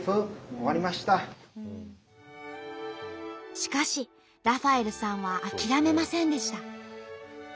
しかしラファエルさんは諦めませんでした。